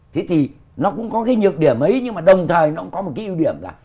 thế thì nó cũng có cái nhược điểm ấy nhưng mà đồng thời nó cũng có một cái ưu điểm là